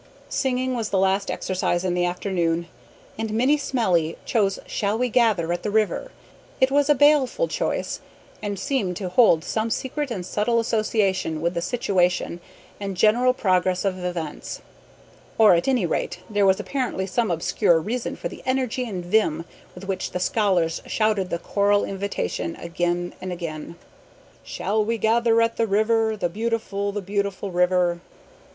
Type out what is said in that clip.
Singing was the last exercise in the afternoon, and Minnie Smellie chose Shall we Gather at the River? It was a baleful choice and seemed to hold some secret and subtle association with the situation and general progress of events; or at any rate there was apparently some obscure reason for the energy and vim with which the scholars shouted the choral invitation again and again: "Shall we gather at the river, The beautiful, the beautiful river?"